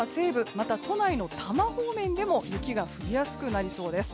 また、都内の多摩方面でも雪が降りやすくなりそうです。